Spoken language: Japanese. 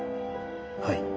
はい。